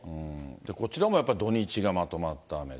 こちらもやっぱり土日がまとまった雨で。